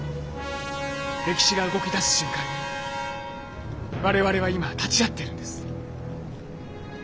歴史が動きだす瞬間に我々は今立ち会ってるんです。